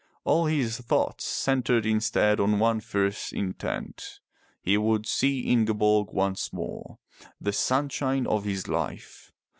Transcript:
All his thoughts centered instead on one fierce intent, — he would see Ingeborg once more, the sunshine of his life.